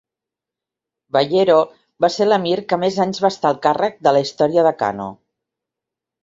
Bayero va ser l'emir que més anys va estar al càrrec de la història de Kano.